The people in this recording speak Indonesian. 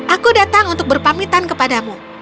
aku datang untuk berpamitan kepadamu